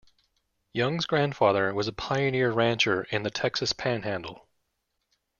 Young's grandfather was a pioneer rancher in the Texas Panhandle.